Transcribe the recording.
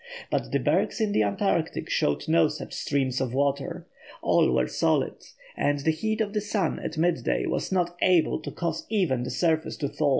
But the bergs in the Antarctic showed no such streams of water. All were solid, and the heat of the sun at midday was not able to cause even the surface to thaw.